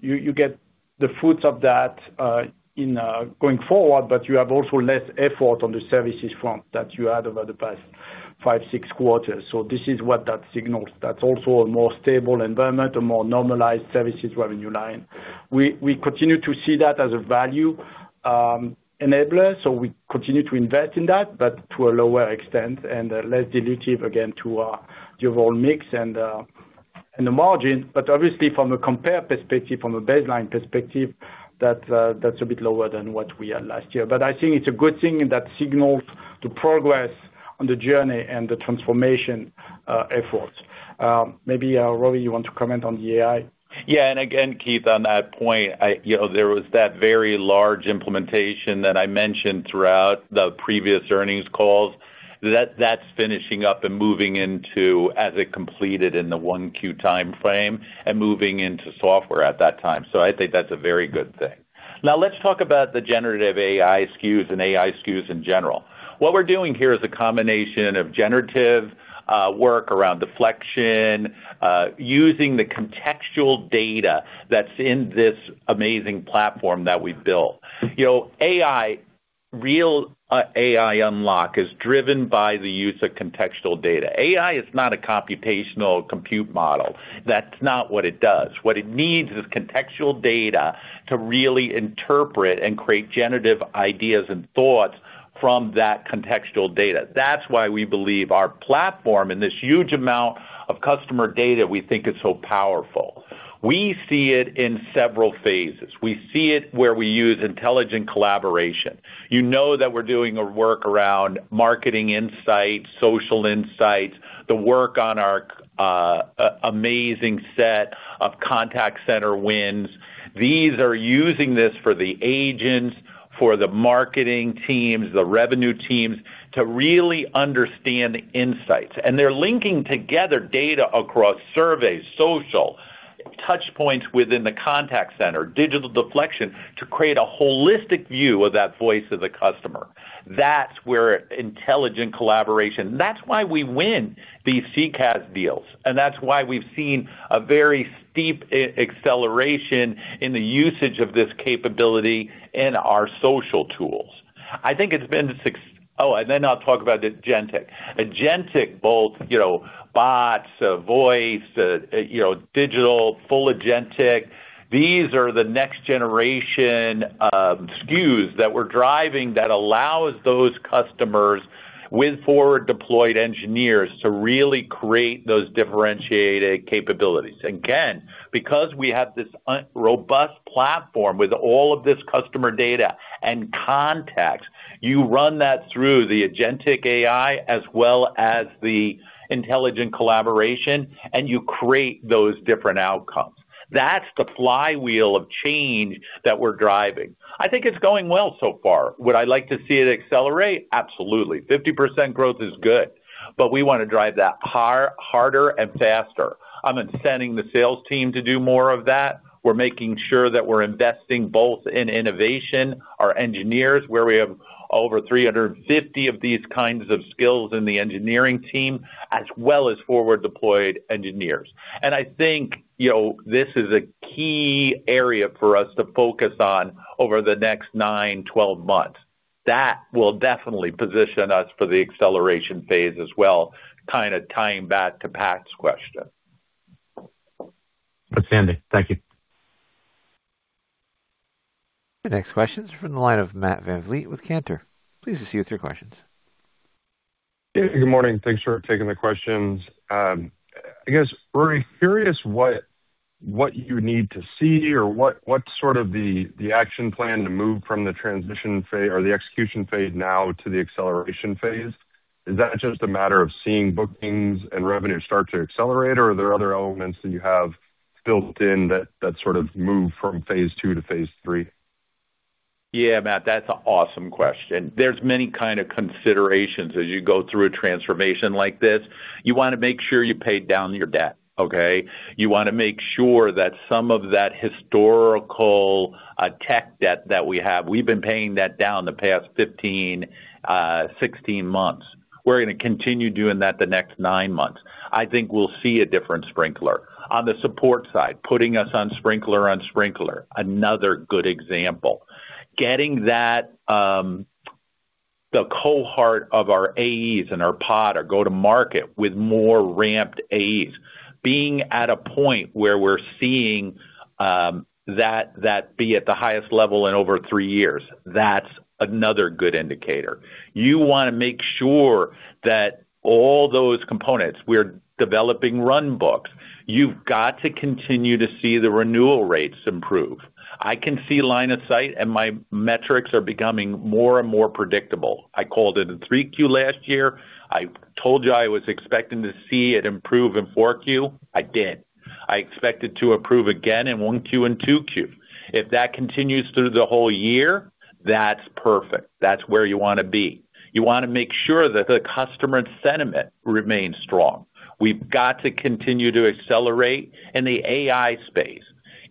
You get the fruits of that, going forward, but you have also less effort on the services front that you had over the past five, six quarters. This is what that signals. That's also a more stable environment, a more normalized services revenue line. We continue to see that as a value enabler. We continue to invest in that, but to a lower extent and, less dilutive, again, to our overall mix and the margin. Obviously from a compare perspective, from a baseline perspective, that's a bit lower than what we had last year. I think it's a good thing, and that signals the progress on the journey and the transformation, efforts. Maybe, Rory, you want to comment on the AI? Yeah. Again, Keith, on that point, I, you know, there was that very large implementation that I mentioned throughout the previous earnings calls. That's finishing up and moving into as it completed in the 1Q timeframe and moving into software at that time. I think that's a very good thing. Now let's talk about the generative AI SKUs and AI SKUs in general. What we're doing here is a combination of generative work around deflection using the contextual data that's in this amazing platform that we've built. You know, AI real AI unlock is driven by the use of contextual data. AI is not a computational model. That's not what it does. What it needs is contextual data to really interpret and create generative ideas and thoughts from that contextual data. That's why we believe our platform and this huge amount of customer data we think is so powerful. We see it in several phases. We see it where we use intelligent collaboration. You know that we're doing a work around marketing insights, social insights, the work on our amazing set of contact center wins. These are using this for the agents, for the marketing teams, the revenue teams to really understand insights. They're linking together data across surveys, social, touch points within the contact center, digital deflection, to create a holistic view of that voice of the customer. That's where intelligent collaboration. That's why we win these CCaaS deals, and that's why we've seen a very steep acceleration in the usage of this capability in our social tools. I think it's been. Oh, I'll talk about agentic. Agentic, both bots, voice, digital, full agentic. These are the next generation SKUs that we're driving that allows those customers with forward deployed engineers to really create those differentiated capabilities. Again, because we have this robust platform with all of this customer data and context, you run that through the agentic AI as well as the intelligent collaboration, and you create those different outcomes. That's the flywheel of change that we're driving. I think it's going well so far. Would I like to see it accelerate? Absolutely. 50% growth is good, but we wanna drive that harder and faster. I'm sending the sales team to do more of that. We're making sure that we're investing both in innovation, our engineers, where we have over 350 of these kinds of skills in the engineering team, as well as forward deployed engineers. I think, you know, this is a key area for us to focus on over the next nine, 12 months. That will definitely position us for the acceleration phase as well, kinda tying back to Pat's question. Outstanding. Thank you. The next question is from the line of Matt VanVliet with Cantor. Please proceed with your questions. Yeah, good morning. Thanks for taking the questions. I guess, Rory, curious what you need to see or what's sort of the action plan to move from the transition phase or the execution phase now to the acceleration phase? Is that just a matter of seeing bookings and revenue start to accelerate, or are there other elements that you have built in that sort of move from phase II to phase III? Yeah, Matt, that's an awesome question. There's many kind of considerations as you go through a transformation like this. You wanna make sure you pay down your debt, okay? You wanna make sure that some of that historical, tech debt that we have, we've been paying that down the past 15, 16 months. We're gonna continue doing that the next nine months. I think we'll see a different Sprinklr. On the support side, putting us on Sprinklr on Sprinklr, another good example. Getting that, the cohort of our AEs and our pod or go-to-market with more ramped AEs. Being at a point where we're seeing, that be at the highest level in over three years, that's another good indicator. You wanna make sure that all those components, we're developing runbooks. You've got to continue to see the renewal rates improve. I can see line of sight, and my metrics are becoming more and more predictable. I called it in Q3 last year. I told you I was expecting to see it improve in Q4. I did. I expect it to improve again in Q1 and Q2. If that continues through the whole year, that's perfect. That's where you wanna be. You wanna make sure that the customer sentiment remains strong. We've got to continue to accelerate in the AI space.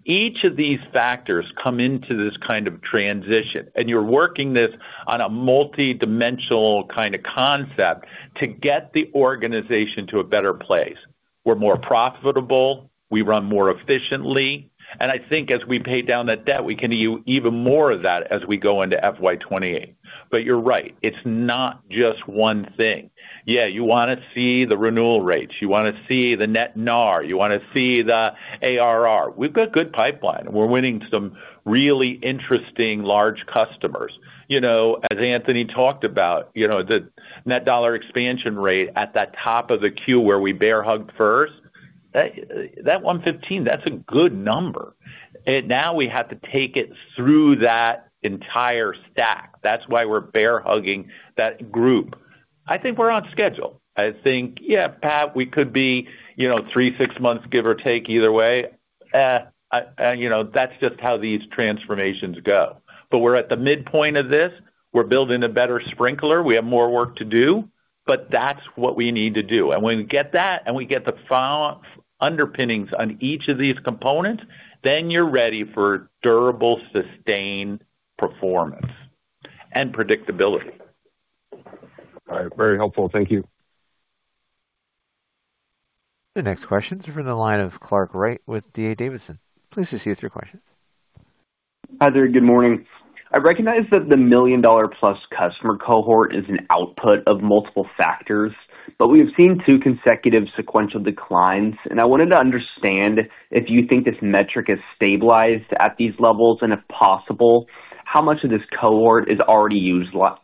Each of these factors come into this kind of transition, and you're working this on a multidimensional kind of concept to get the organization to a better place. We're more profitable, we run more efficiently, and I think as we pay down that debt, we can do even more of that as we go into FY 2028. You're right, it's not just one thing. Yeah, you wanna see the renewal rates, you wanna see the net NRR, you wanna see the ARR. We've got good pipeline. We're winning some really interesting large customers. You know, as Anthony talked about, you know, the net dollar expansion rate at that top of the queue where we bear hugged first, that one fifteen, that's a good number. Now we have to take it through that entire stack. That's why we're bear hugging that group. I think we're on schedule. I think, yeah, Pat, we could be, you know, three, six months, give or take, either way. You know, that's just how these transformations go. We're at the midpoint of this. We're building a better Sprinklr. We have more work to do, but that's what we need to do. When we get that and we get the underpinnings on each of these components, then you're ready for durable, sustained performance and predictability. All right. Very helpful. Thank you. The next question's from the line of Clark Wright with D.A. Davidson. Please proceed with your question. Hi there. Good morning. I recognize that the million-dollar plus customer cohort is an output of multiple factors, but we have seen two consecutive sequential declines, and I wanted to understand if you think this metric is stabilized at these levels, and if possible, how much of this cohort is already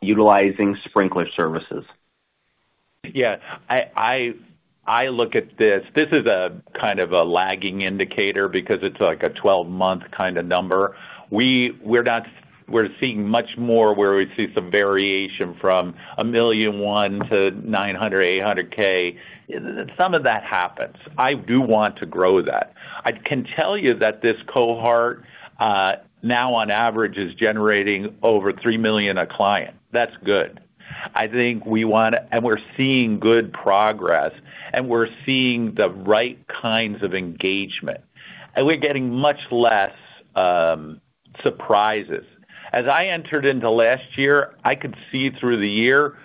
utilizing Sprinklr services? Yeah. I look at this. This is a kind of a lagging indicator because it's like a 12-month kinda number. We're seeing much more where we see some variation from $1.1 million to $900,000, $800,000. Some of that happens. I do want to grow that. I can tell you that this cohort now on average is generating over $3 million a client. That's good. I think we wanna. We're seeing good progress, and we're seeing the right kinds of engagement. We're getting much less surprises. As I entered into last year, I could see through the year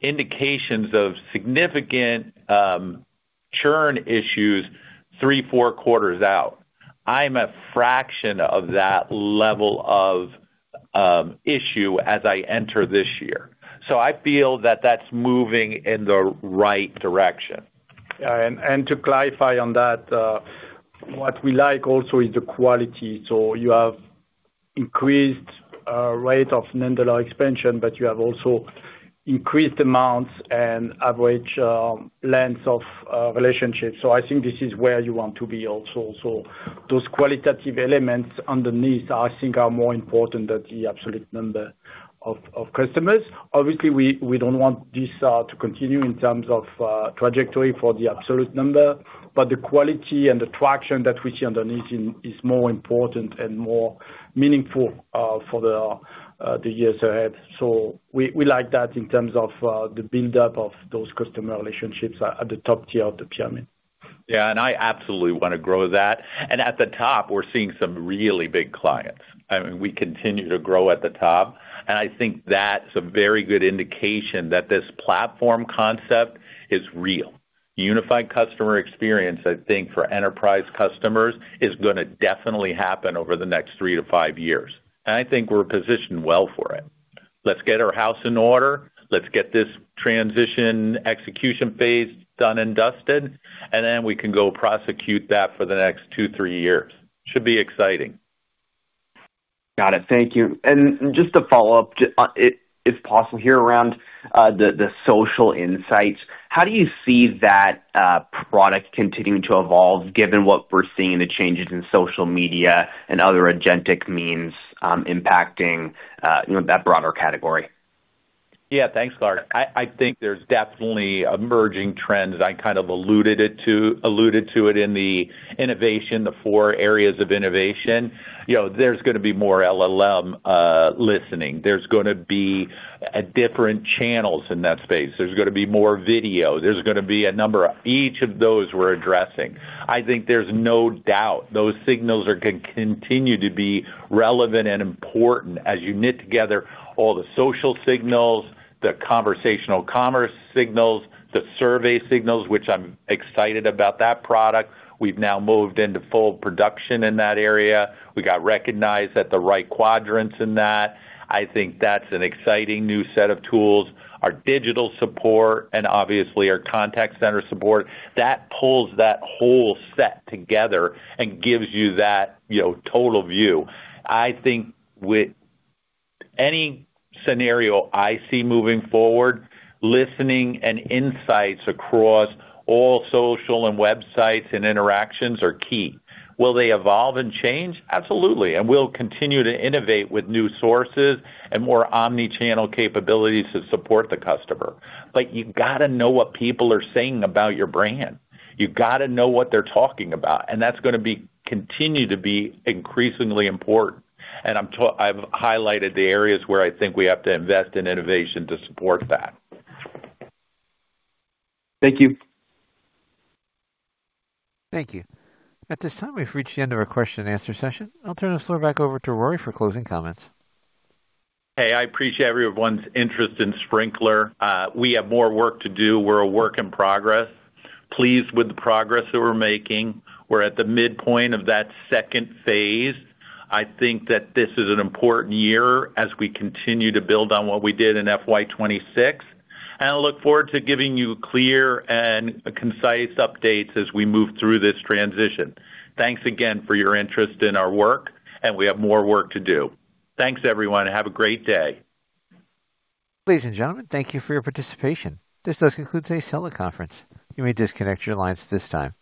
indications of significant churn issues three, four quarters out. I'm a fraction of that level of issue as I enter this year. I feel that that's moving in the right direction. To clarify on that, what we like also is the quality. You have increased rate of NDR expansion, but you have also increased amounts and average lengths of relationships. I think this is where you want to be also. Those qualitative elements underneath, I think are more important than the absolute number of customers. Obviously, we don't want this to continue in terms of trajectory for the absolute number, but the quality and the traction that we see underneath is more important and more meaningful for the years ahead. We like that in terms of the build-up of those customer relationships at the top tier of the pyramid. Yeah, I absolutely wanna grow that. At the top, we're seeing some really big clients. I mean, we continue to grow at the top, and I think that's a very good indication that this platform concept is real. Unified customer experience, I think, for enterprise customers, is gonna definitely happen over the next three to five years. I think we're positioned well for it. Let's get our house in order. Let's get this transition execution phase done and dusted, and then we can go prosecute that for the next two, three years. Should be exciting. Got it. Thank you. Just to follow up, if possible here around the social insights, how do you see that product continuing to evolve given what we're seeing in the changes in social media and other agentic means impacting you know that broader category? Yeah. Thanks, Clark. I think there's definitely emerging trends. I kind of alluded to it in the innovation, the four areas of innovation. You know, there's gonna be more LLM listening. There's gonna be different channels in that space. There's gonna be more video. There's gonna be a number of each of those we're addressing. I think there's no doubt those signals continue to be relevant and important as you knit together all the social signals, the conversational commerce signals, the survey signals, which I'm excited about that product. We've now moved into full production in that area. We got recognized at the right quadrants in that. I think that's an exciting new set of tools. Our digital support and obviously our contact center support, that pulls that whole set together and gives you that, you know, total view. I think with any scenario I see moving forward, listening and insights across all social and websites and interactions are key. Will they evolve and change? Absolutely, and we'll continue to innovate with new sources and more omnichannel capabilities to support the customer. But you've gotta know what people are saying about your brand. You've gotta know what they're talking about, and that's gonna continue to be increasingly important. I've highlighted the areas where I think we have to invest in innovation to support that. Thank you. Thank you. At this time, we've reached the end of our question and answer session. I'll turn the floor back over to Rory for closing comments. Hey, I appreciate everyone's interest in Sprinklr. We have more work to do. We're a work in progress. Pleased with the progress that we're making. We're at the midpoint of that second phase. I think that this is an important year as we continue to build on what we did in FY 2026, and I look forward to giving you clear and concise updates as we move through this transition. Thanks again for your interest in our work, and we have more work to do. Thanks, everyone, and have a great day. Ladies and gentlemen, thank you for your participation. This does conclude today's teleconference. You may disconnect your lines at this time.